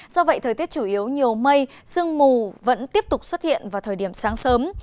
do vậy thời tiết chủ yếu nhiều mây sương mù vẫn tiếp tục xuất hiện vào thời điểm sáng sớm